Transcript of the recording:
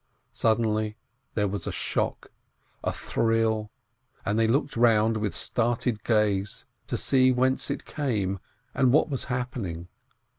Suddenly there was a shock, a thrill, and they looked round with startled gaze, to see whence it came, and what was happening.